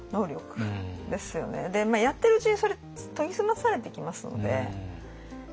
やってるうちにそれ研ぎ澄まされてきますので。